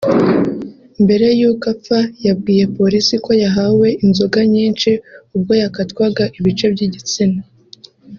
Mbere y’uko apfa yabwiye polisi ko yahawe inzoga nyinshi ubwo yakatwaga ibice by’igitsina